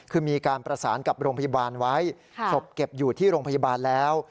คือมีการประสานกับโรงพยาบาลไว้ศพเก็บอยู่ที่โรงพยาบาลแล้ว